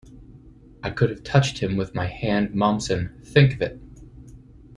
I could have touched him with my hand-Mommsen!-think of it!